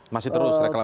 masih terus reklamasi